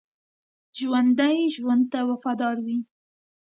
ژوندي ژوند ته وفادار وي